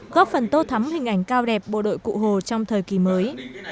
góp phần tô thắm hình ảnh cao đẹp bộ đội cụ hồ trong thời kỳ mới